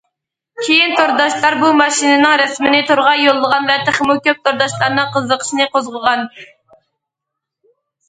كېيىن تورداشلار بۇ ماشىنىنىڭ رەسىمىنى تورغا يوللىغان ۋە تېخىمۇ كۆپ تورداشلارنىڭ قىزىقىشىنى قوزغىغان.